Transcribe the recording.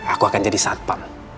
aku akan jadi satpam